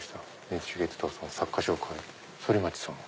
日月堂さん作家紹介反町さん。